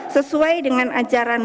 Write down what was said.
sesuai dengan ajaran pak jokowi